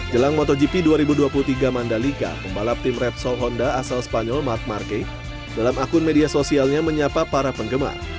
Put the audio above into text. jelang motogp dua ribu dua puluh tiga mandalika pembalap tim repsol honda asal spanyol mark marque dalam akun media sosialnya menyapa para penggemar